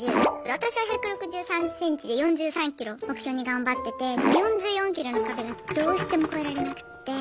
私は１６３ｃｍで４３ｋｇ目標に頑張っててでも４４ｋｇの壁がどうしても越えられなくって。